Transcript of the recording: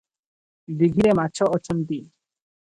ଦୀଘିରେ ମାଛ ଅଛନ୍ତି ।